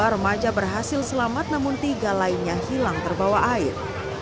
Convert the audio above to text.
dua remaja berhasil selamat namun tiga lainnya hilang terbawa air